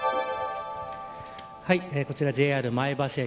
こちらＪＲ前橋駅。